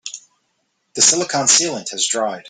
The silicon sealant has dried.